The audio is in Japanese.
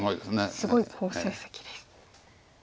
すごい好成績です。